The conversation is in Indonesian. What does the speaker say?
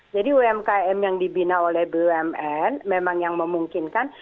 jadi umkm yang dibina oleh bumn memang yang memungkinkan